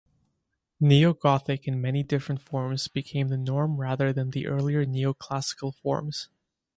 Neo-Gothic in many different forms became the norm rather than the earlier Neo-Classical forms.